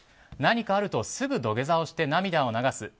何かあるとすぐ土下座をして涙を流す。